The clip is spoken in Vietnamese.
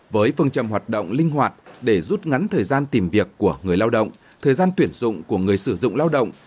với phương trầm hoạt động linh hoạt để rút ngắn thời gian tìm việc của người lao động thời gian tuyển dụng của người sử dụng lao động